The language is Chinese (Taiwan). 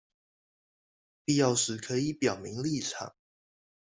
必要時可以表明立場